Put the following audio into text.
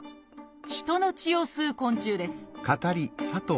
人の血を吸う昆虫です